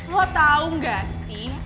lo tau gak sih